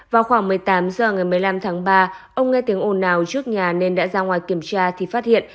vào khoảng một mươi tám h ngày một mươi năm tháng ba ông nghe tiếng ồn ào trước nhà nên đã ra ngoài kiểm tra thì phát hiện